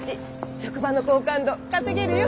職場の好感度稼げるよ！